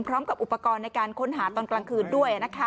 พร้อมกับอุปกรณ์ในการค้นหาตอนกลางคืนด้วย